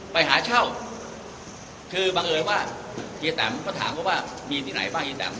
ไปหาเช่าคือบังเอิญว่าเฮียแตมก็ถามเขาว่ามีที่ไหนบ้างเฮียแตม